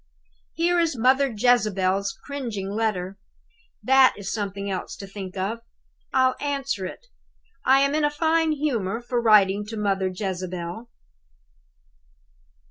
"Here is Mother Jezebel's cringing letter. That is something else to think of. I'll answer it. I am in a fine humor for writing to Mother Jezebel."